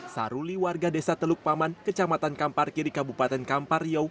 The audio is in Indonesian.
saruli warga desa teluk paman kecamatan kampar kiri kabupaten kampar riau